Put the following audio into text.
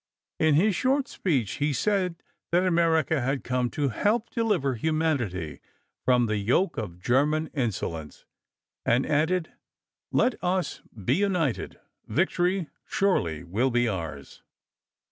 In his short speech he said that America had come to help deliver humanity from the yoke of German insolence, and added: "Let us be united. Victory surely will be ours."